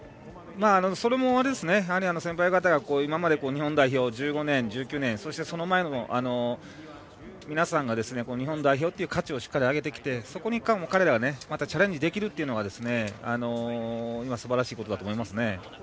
それも、やはり先輩方が今まで日本代表で１５年、１９年、その前の皆さんが日本代表という価値をしっかり上げてきてそこに彼らはまたチャレンジできるというのが今、すばらしいことだと思います。